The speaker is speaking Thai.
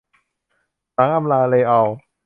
หลังอำลา เรอัล